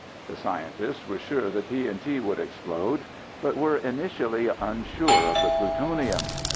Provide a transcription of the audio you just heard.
The scientists were sure the TNT would explode, but were initially unsure of the plutonium.